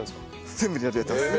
全部ニラでやってます。